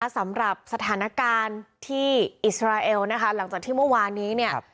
สำหรับสถานการณ์ที่อิสราเอลนะคะหลังจากที่เมื่อวานนี้เนี่ย